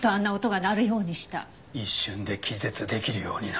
一瞬で気絶できるようにな。